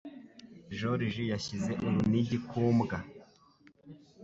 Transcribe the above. Joriji yashyize urunigi ku mbwa.